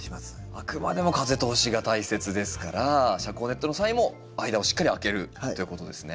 あくまでも風通しが大切ですから遮光ネットの際も間をしっかり空けるということですね。